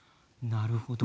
なるほど。